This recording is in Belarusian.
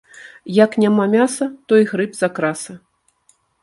Як няма мяса, то і грыб закраса